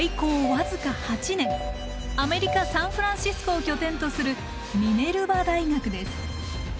僅か８年アメリカ・サンフランシスコを拠点とするミネルバ大学です。